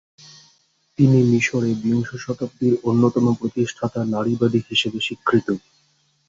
তিনি মিশরে বিংশ শতাব্দীর অন্যতম প্রতিষ্ঠাতা নারীবাদী হিসেবে স্বীকৃত।